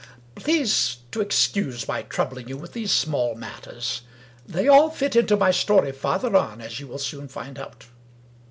Please to excuse my troubling you with these small matters. They all fit into my story farther on, as you will soon find out.